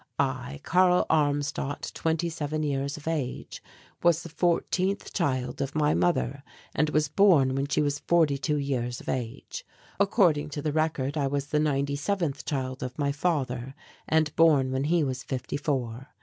I, Karl Armstadt, twenty seven years of age, was the fourteenth child of my mother and was born when she was forty two years of age. According to the record I was the ninety seventh child of my father and born when he was fifty four.